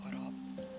aku tahu korob